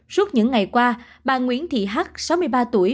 suốt những ngày qua bà nguyễn thị h sáu mươi ba tuổi